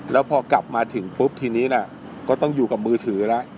แล้วพอกลับมาถึงปุ๊บทีนี้ก็ต้องอยู่กับมือถือแล้ว